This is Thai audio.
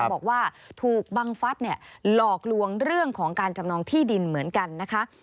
บอกว่าถูกบังฟัฐหลอกลวงเรื่องของการจำนองที่ดินเหมือนกันนะคะ